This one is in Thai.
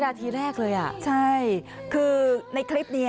ไอทีนี้คือในคลิป